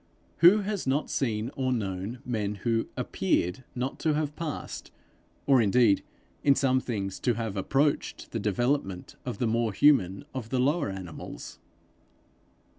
Who has not seen or known men who appeared not to have passed, or indeed in some things to have approached the development of the more human of the lower animals!